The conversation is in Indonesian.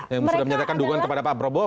yang sudah menyatakan dukungan kepada pak prabowo